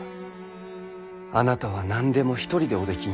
あなたは何でも一人でおできになる。